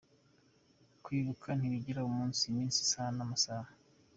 Kwibuka ntibigira umunsi, iminsi, isaha n’amasaha,